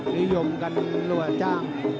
นิยมกันจ้าง